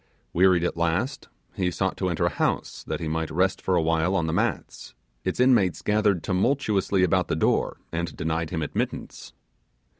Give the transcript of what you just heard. Wearied at last, he sought to enter a house that he might rest for a while on the mats; its inmates gathered tumultuously about the door and denied him admittance.